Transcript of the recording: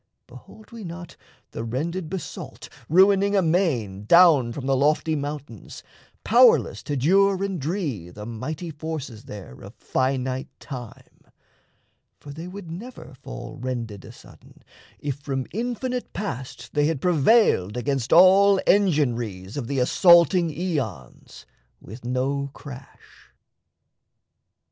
Behold we not The rended basalt ruining amain Down from the lofty mountains, powerless To dure and dree the mighty forces there Of finite time? for they would never fall Rended asudden, if from infinite Past They had prevailed against all engin'ries Of the assaulting aeons, with no crash.